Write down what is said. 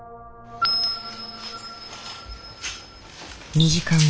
２時間後。